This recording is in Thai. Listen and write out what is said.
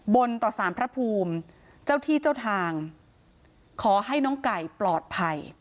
บนต่อสารพระภูมิเจ้าที่เจ้าทางขอให้น้องไก่ปลอดภัย